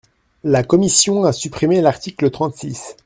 La commission a supprimé l’article trente-six.